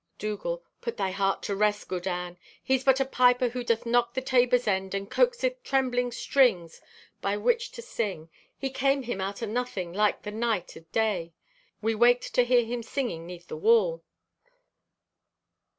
Dougal.—"Put thy heart to rest, good Anne; he's but a piper who doth knock the taber's end and coaxeth trembling strings by which to sing. He came him out o' nothing, like to the night or day. We waked to hear him singing 'neath the wall."